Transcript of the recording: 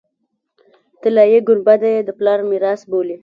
طلایي ګنبده یې د پلار میراث بولي.